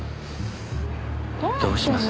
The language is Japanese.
どうします？